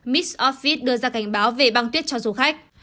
mix office đưa ra cảnh báo về băng tuyết cho du khách